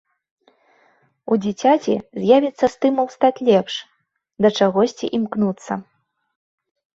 У дзіцяці з'явіцца стымул стаць лепш, да чагосьці імкнуцца.